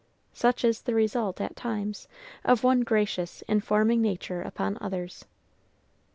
Such is the result, at times, of one gracious, informing nature upon others.